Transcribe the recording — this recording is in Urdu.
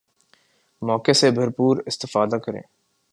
موقع سے بھرپور استفادہ کریں